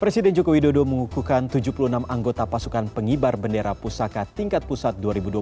presiden joko widodo mengukuhkan tujuh puluh enam anggota pasukan pengibar bendera pusaka tingkat pusat dua ribu dua puluh tiga